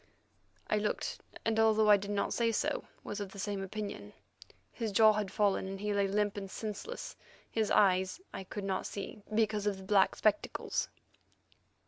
I looked, and, although I did not say so, was of the same opinion. His jaw had fallen, and he lay limp and senseless; his eyes I could not see, because of the black spectacles.